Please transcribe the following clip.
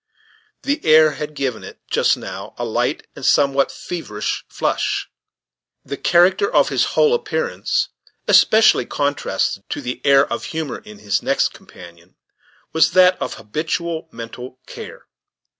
The air had given it, just now, a light and somewhat feverish flush, The character of his whole appearance, especially contrasted to the air of humor in his next companion, was that of habitual mental care.